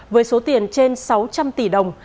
với tiền trên sáu trăm linh tỷ đồng